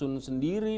punya khasun sendiri